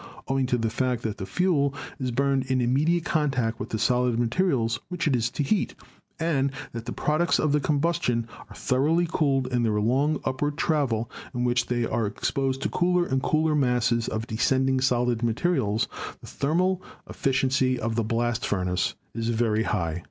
Owing to the fact that the fuel is burned in immediate contact with the solid materials which it is to heat, and that the products of its combustion are thoroly cooled in their long upward travel in which they are ex posed to cooler and cooler masses of descending solid materials, the thermal efficiency of the blast furnace is very high.